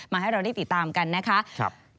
มาให้เรารีบติดตามกันนะครับ